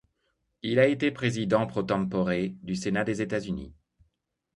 Il a été Président pro tempore du Sénat des États-Unis.